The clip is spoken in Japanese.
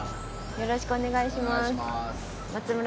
よろしくお願いします。